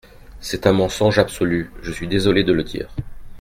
C’est un mensonge absolu, je suis désolé de le dire.